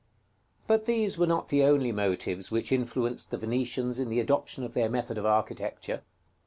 § XXVII. But these were not the only motives which influenced the Venetians in the adoption of their method of architecture.